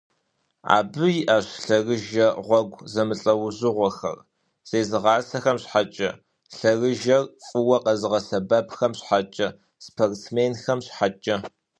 Абы иIэщ лъэрыжэ гъуэгу зэмылIэужьыгъуэхэр: зезыгъасэхэм щхьэкIэ, лъэрыжэр фIыуэ къэзыгъэсэбэпхэм щхьэкIэ, спортсменхэм щхьэкIэ.